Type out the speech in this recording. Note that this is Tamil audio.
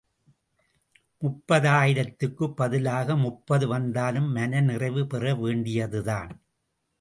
முப்பதாயிரத்துக்குப் பதிலாக முப்பது வந்தாலும் மன நிறைவு பெற வேண்டியதுதான்.